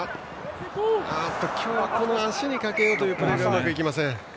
今日は足にかけようというプレーがうまくいきません。